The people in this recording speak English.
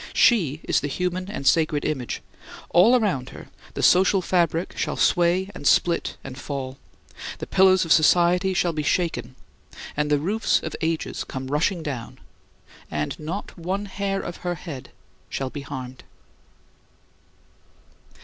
She is the human and sacred image; all around her the social fabric shall sway and split and fall; the pillars of society shall be shaken, and the roofs of ages come rushing down, and not one hair of her head shall be harmed.